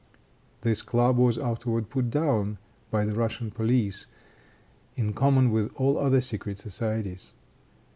This club was afterward put down by the Russian police, in common with all other secret societies.